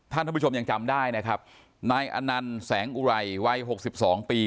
ท่านผู้ชมยังจำได้นะครับนายอนันต์แสงอุไรวัย๖๒ปี